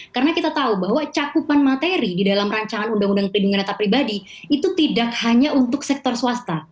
karena kita tahu bahwa cakupan materi di dalam rancangan uudp itu tidak hanya untuk sektor swasta